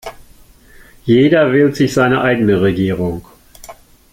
Jeder wählt sich seine eigene Regierung.